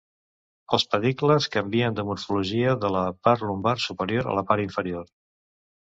Els pedicles canvien de morfologia de la part lumbar superior a la part inferior.